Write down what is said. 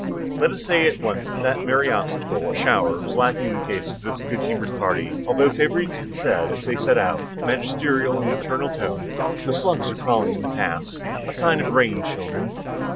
Let us say at once that that merry obstacle, a shower, was lacking in the case of this good humored party, although Favourite had said as they set out, with a magisterial and maternal tone, _"The slugs are crawling in the paths,—a sign of rain, children."